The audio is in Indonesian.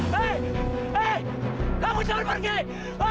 hei kamu jangan pergi